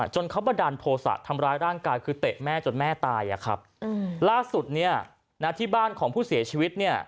จึงที่บ้านของผู้เสียชีวิตเนี้ย